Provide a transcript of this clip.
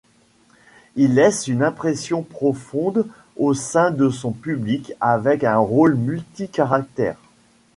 Il laisse une impression profonde au sein de son public avec un rôle multi-caractères.